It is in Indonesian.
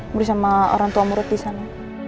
berada sama orang tua murut disana